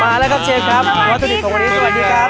มาแล้วก็เชฟครับสวัสดีครับ